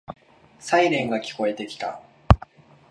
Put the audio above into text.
サイレンが聞こえてきた。